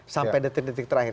sampai detik detik terakhir